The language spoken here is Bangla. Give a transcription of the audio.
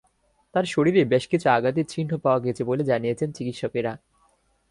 তাঁর শরীরে বেশ কিছু আঘাতের চিহ্ন পাওয়া গেছে বলে জানিয়েছেন চিকিৎসকেরা।